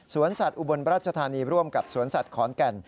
สัตว์อุบลราชธานีร่วมกับสวนสัตว์ขอนแก่น